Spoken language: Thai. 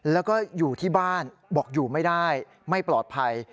แล้วก็อยู่ที่บ้านบอกอยู่ไม่ได้ไม่ปลอดภัย